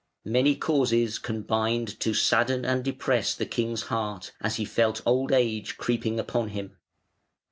Many causes combined to sadden and depress the king's heart, as he felt old age creeping upon him.